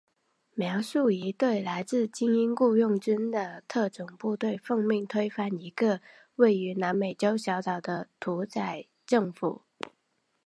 描述一队来自精英雇佣军的特种部队奉命推翻一个位于南美洲小岛的独裁政府。